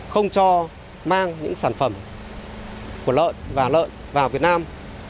không cho mang những sản phẩm của lợn và lợn vào việt nam